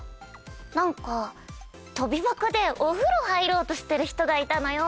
何か跳び箱でお風呂入ろうとしてる人がいたのよ。